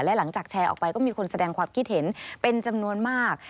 และหลังจากแชร์ออกไปก็มีคนแสดงความคิดเห็นเป็นจำนวนมาก